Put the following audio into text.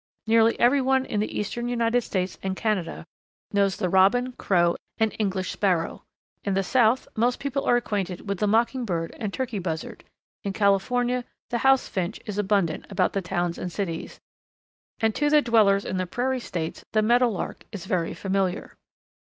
Nearly every one in the eastern United States and Canada knows the Robin, Crow, and English Sparrow; in the South most people are acquainted with the Mockingbird and Turkey Buzzard; in California the House Finch is abundant about the towns and cities; and to the dwellers in the Prairie States the Meadowlark is very familiar.